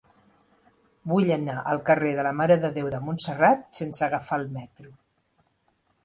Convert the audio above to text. Vull anar al carrer de la Mare de Déu de Montserrat sense agafar el metro.